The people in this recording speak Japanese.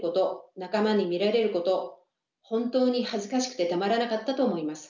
仲間に見られること本当に恥ずかしくてたまらなかったと思います。